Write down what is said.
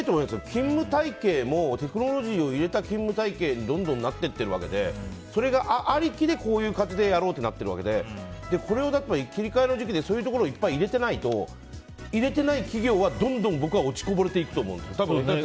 勤務体系もテクノロジーを入れた勤務体系にどんどんなっていってるわけでそれがありきでこういう形でやろうってなってるわけでそれを切り替えの時期でそういうのを入れてないと入れていない企業はどんどん僕は落ちこぼれていくと思うんですよ。